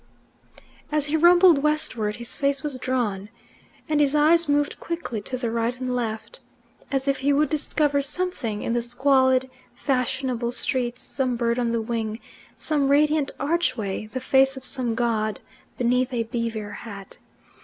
As he rumbled westward, his face was drawn, and his eyes moved quickly to the right and left, as if he would discover something in the squalid fashionable streets some bird on the wing, some radiant archway, the face of some god beneath a beaver hat.